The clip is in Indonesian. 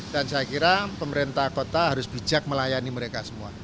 dan saya kira pemerintah kota harus bijak melayani mereka semua